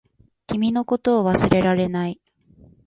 君のことを忘れられない